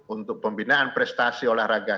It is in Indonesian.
untuk pembinaan prestasi olahraga